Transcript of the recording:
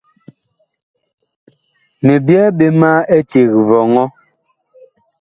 Mi byɛɛ ɓe ma eceg vɔŋɔ.